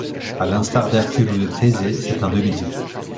À l'instar d'Hercule ou de Thésée, c'est un demi-dieu.